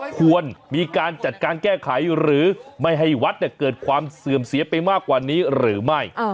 ควรมีการจัดการแก้ไขหรือไม่ให้วัดเกิดความเสื่อมเสียไปมากกว่านี้หรือไม่